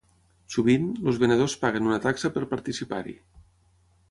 Sovint, els venedors paguen una taxa per participar-hi.